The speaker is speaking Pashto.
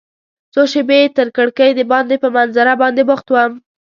څو شیبې تر کړکۍ دباندې په منظره باندې بوخت وم.